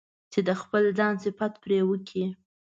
چې د خپل ځان صفت پرې وکړي.